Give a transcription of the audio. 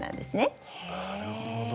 なるほど。